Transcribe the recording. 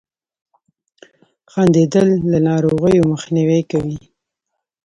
• خندېدل له ناروغیو مخنیوی کوي.